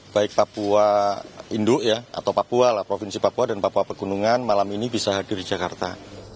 baik papua induk ya atau papua lah provinsi papua dan papua pegunungan malam ini bisa hadir di jakarta